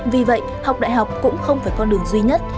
vì vậy học đại học cũng không phải con đường duy nhất